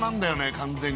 完全に。